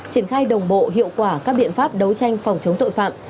triển khai đồng bộ hiệu quả các biện pháp đấu tranh phòng chống tội phạm